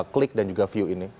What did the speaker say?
klik dan juga view ini